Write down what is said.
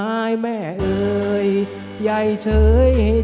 เจ้าทิ้งสัญญาหรือนางที่อ่างวางอารมณ์